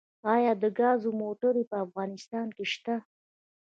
آیا د ګازو موټرې په افغانستان کې شته؟